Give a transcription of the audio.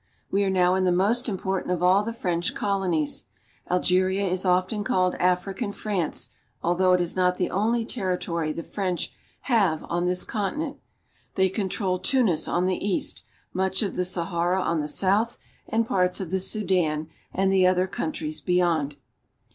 We are now in the most important of all the French colonies. Algeria is often called African France, although it is not the only territory the French have on this continent. They control Tunis on the east, much of the Sahara on the south, and parts of the Sudan and the other countries beyond.